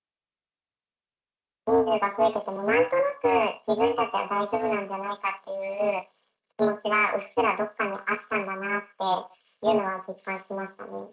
人数が増えてても、なんとなく自分たちは大丈夫なんじゃないかっていう気持ちがうっすらどこかにあったんだなっていうのは実感しましたね。